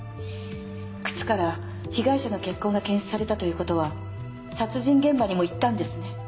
靴から被害者の血痕が検出されたということは殺人現場にも行ったんですね？